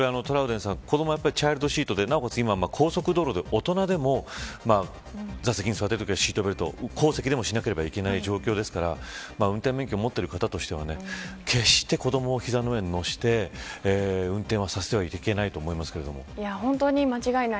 トラウデンさん、子どもチャイルドシートでなおかつ高速道路ですが大人でも座席に座っているときはシートベルト後部座席でもしなければいけない状況ですから運転免許持っている方としては決して子どもを膝の上にのせて運転はさせてはいけないと思いますけれども。